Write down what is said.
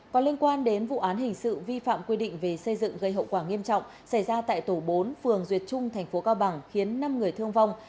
còn liên quan đến vụ án hình sự vi phạm quy định về xây dựng gây hậu quả nghiêm trọng xảy ra tại tổ bốn phường duyệt trung thành phố cao bằng khiến năm người thương vong